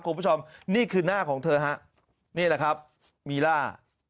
คุณผู้ชมนี่คือหน้าของเธอฮะนี่แหละครับมีล่า